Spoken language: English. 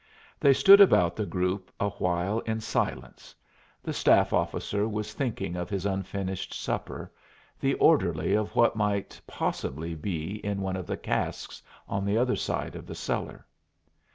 They stood about the group awhile in silence; the staff officer was thinking of his unfinished supper, the orderly of what might possibly be in one of the casks on the other side of the cellar.